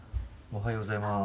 おはようございます。